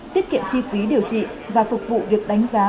tiết kiệm chi phí điều trị và phục vụ việc đánh giá